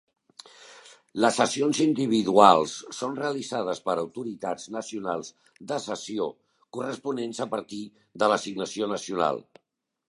Les cessions individuals són realitzades per autoritats nacionals de cessió corresponents a partir de l'assignació nacional.